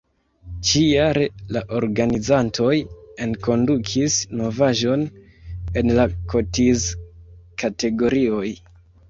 Ĉi-jare la organizantoj enkondukis novaĵon en la kotiz-kategorioj.